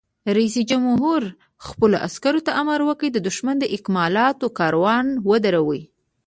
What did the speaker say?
رئیس جمهور خپلو عسکرو ته امر وکړ؛ د دښمن د اکمالاتو کاروان ودروئ!